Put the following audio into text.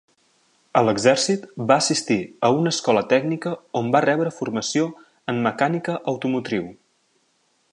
A l'Exèrcit, va assistir a una escola tècnica on va rebre formació en mecànica automotriu.